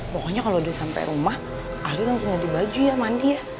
nanti pokonya kalo udah sampe rumah ali langsung nganti baju ya mandi ya